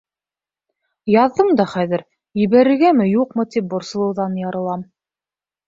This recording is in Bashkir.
Яҙҙым да хәҙер, ебәрергәме, юҡмы, тип борсолоуҙан ярылам.